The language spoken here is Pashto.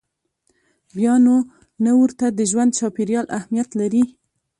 بیا نو نه ورته د ژوند چاپېریال اهمیت لري.